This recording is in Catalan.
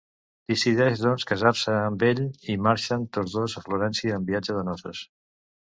Decideix doncs casar-se amb ell i marxen tots dos a Florència en viatge de noces.